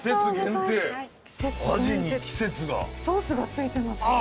ソースが付いてますよ。